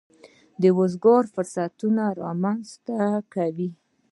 د روزګار فرصتونه رامنځته کوي.